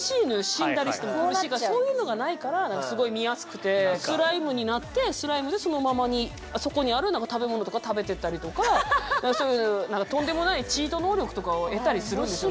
死んだりしても苦しいからそういうのがないからすごい見やすくてスライムになってスライムでそのままにそこにある食べ物とか食べてったりとかそういう何かとんでもないチート能力とかを得たりするんですよね。